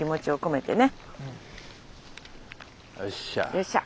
よっしゃ。